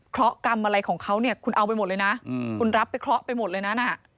กรรมอะไรของเขาเนี่ยคุณเอาไปหมดเลยนะคุณรับไปเคราะห์ไปหมดเลยนั้น